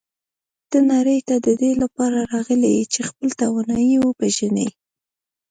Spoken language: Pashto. ته نړۍ ته د دې لپاره راغلی یې چې خپلې توانایی وپېژنې.